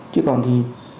chứ còn thì